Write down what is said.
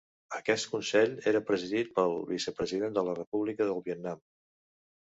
Aquest consell era presidit pel vicepresident de la República del Vietnam.